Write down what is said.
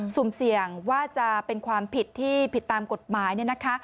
สุ่มเสี่ยงว่าจะเป็นความผิดที่ผิดตามกฎหมายเนี่ยนะคะ